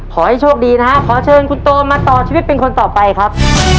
ขอให้โชคดีนะฮะขอเชิญคุณโตมาต่อชีวิตเป็นคนต่อไปครับ